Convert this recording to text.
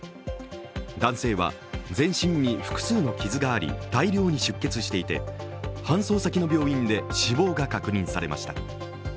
男性は全身に複数の傷があり、大量に出血していて搬送先の病院で死亡が確認されました。